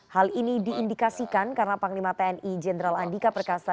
hal ini diindikasikan karena panglima tni jenderal andika perkasa